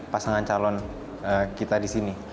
pasangan calon kita di sini